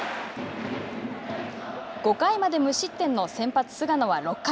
５回まで無失点の先発菅野は６回。